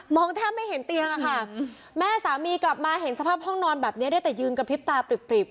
แทบไม่เห็นเตียงอะค่ะแม่สามีกลับมาเห็นสภาพห้องนอนแบบนี้ได้แต่ยืนกระพริบตาปริบ